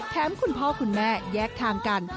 คุณพ่อคุณแม่แยกทางกัน